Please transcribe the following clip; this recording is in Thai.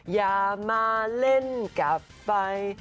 อย่ามาเล่นกับไฟ